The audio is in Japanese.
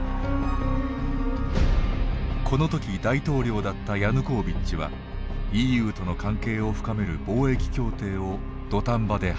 この時大統領だったヤヌコービッチはＥＵとの関係を深める貿易協定を土壇場で破棄。